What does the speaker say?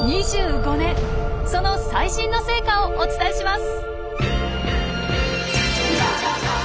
その最新の成果をお伝えします！